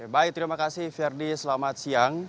baik terima kasih ferdi selamat siang